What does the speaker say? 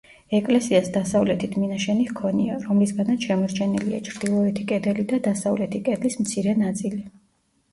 ეკლესიას დასავლეთით მინაშენი ჰქონია, რომლისგანაც შემორჩენილია ჩრდილოეთი კედელი და დასავლეთი კედლის მცირე ნაწილი.